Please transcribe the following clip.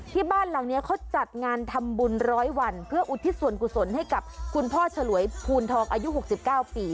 บ้านหลังนี้เขาจัดงานทำบุญร้อยวันเพื่ออุทิศส่วนกุศลให้กับคุณพ่อฉลวยภูนทองอายุ๖๙ปี